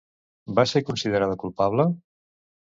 Va ser considerada culpable?